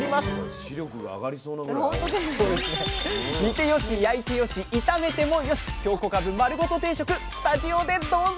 煮てよし焼いてよし炒めてもよし「京こかぶ丸ごと定食」スタジオでどうぞ！